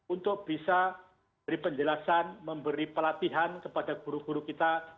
untuk bisa beri penjelasan memberi pelatihan kepada guru guru kita